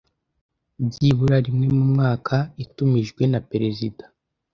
byibura rimwe mu mwaka itumijwe na Perezida